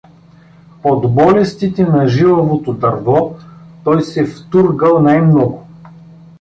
Под болестите на жилавото дърво той се втургал най-много.